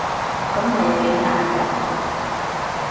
噉你幾大鑊